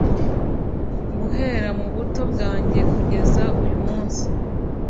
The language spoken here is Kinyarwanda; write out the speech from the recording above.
guhera mu buto bwanjye kugera uyu munsi